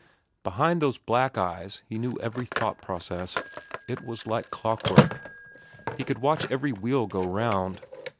Behind those black eyes he knew every thought process. It was like clockwork. He could watch every wheel go around.